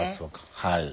はい。